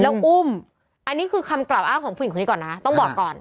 แล้วอุ้มอันนี้คือคำกล่าวอ้างของผู้หญิงคนนี้ก่อนนะต้องบอกก่อน